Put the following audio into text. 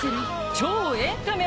超エンタメ